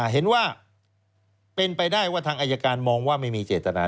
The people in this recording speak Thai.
เห็นว่าเป็นไปได้ว่าทางอายการมองว่าไม่มีเจตนา